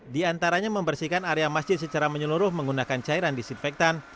di antaranya membersihkan area masjid secara menyeluruh menggunakan cairan disinfektan